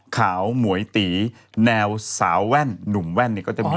ขาวหมวยตีแนวสาวแว่นหนุ่มแว่นเนี่ยก็จะมี